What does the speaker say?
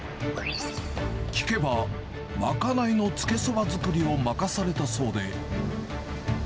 聞けば、賄いのつけそば作りを任されたそうで。